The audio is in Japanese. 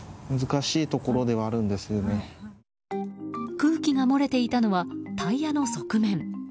空気が漏れていたのはタイヤの側面。